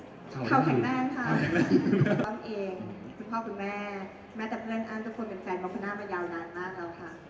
เป็นแฟนบอกพนามายาวนานมากแล้วค่ะ